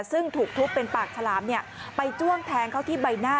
ซึ่งถูกทุบเป็นปากฉลามไปจ้วงแทงเขาที่ใบหน้า